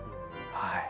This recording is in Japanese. はい。